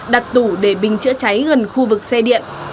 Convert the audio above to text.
đặt tủ để bình chữa cháy gần khu vực xe điện